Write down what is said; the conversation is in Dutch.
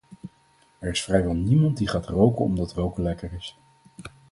Er is vrijwel niemand die gaat roken omdat roken lekker is.